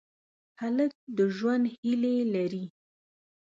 هلک د ژوند هیلې لري.